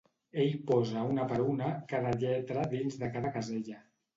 Ell posa una per una cada lletra dins de cada casella.